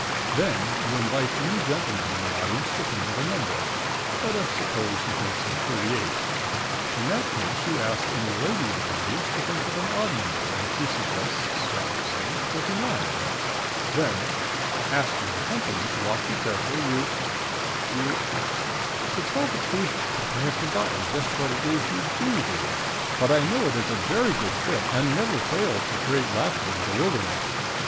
Then you invite any gentleman in the audience to think of a number. Let us suppose he thinks of 38. In that case you ask any lady in the audience to think of an odd number, and she suggests (shall we say?) 29. Then, asking the company to watch you carefully, you you To tell the truth, I have forgotten just what it is you do do, but I know that it is a very good trick, and never fails to create laughter and bewilderment.